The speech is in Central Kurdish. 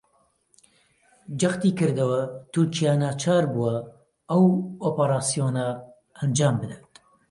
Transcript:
جەختیکردەوە تورکیا ناچار بووە ئەو ئۆپەراسیۆنە ئەنجامبدات